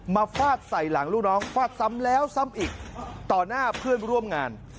ฟาดใส่หลังลูกน้องฟาดซ้ำแล้วซ้ำอีกต่อหน้าเพื่อนร่วมงาน